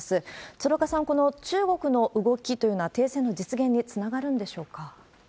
鶴岡さん、この中国の動きというのは停戦の実現につながるんでしょうか？